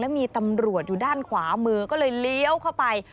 มีตำรวจอยู่ด้านขวามือก็เลยเลี้ยวเข้าไป